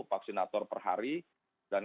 vaksinator per hari dan